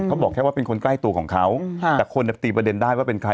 เขาบอกแค่ว่าเป็นคนใกล้ตัวของเขาแต่คนตีประเด็นได้ว่าเป็นใคร